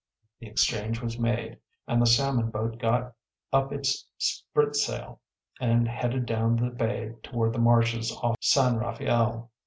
‚ÄĚ The exchange was made, and the salmon boat got up its spritsail and headed down the bay toward the marshes off San Rafael.